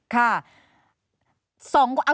ค่ะ